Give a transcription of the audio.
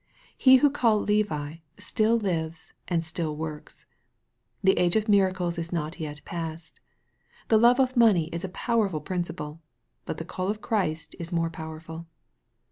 He who call ed Levi, still lives and still works. The age of miracles is not yet past. The love of money is a powerful prin ciple, but the call of Christ is more powerful.